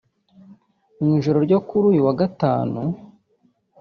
Mu ijoro ryo kuri uyu wa Gatanu